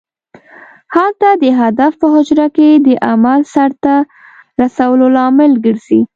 هلته د هدف په حجره کې د عمل سرته رسولو لامل ګرځي.